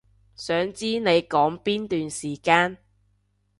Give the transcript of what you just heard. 想知你講邊段時間